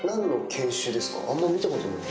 あんま見たことない。